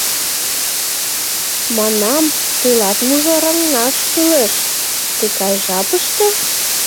Манам, тылат мужыраҥаш кӱлеш!» «Тыгай жапыште?